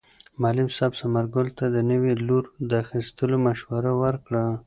معلم صاحب ثمر ګل ته د نوي لور د اخیستلو مشوره ورکړه.